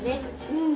うん。